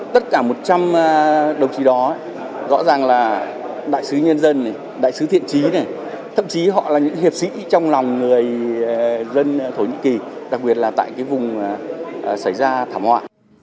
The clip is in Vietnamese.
tất cả một trăm linh đồng chí đó rõ ràng là đại sứ nhân dân này đại sứ thiện trí này thậm chí họ là những hiệp sĩ trong lòng người dân thổ nhĩ kỳ đặc biệt là tại cái vùng xảy ra thảm họa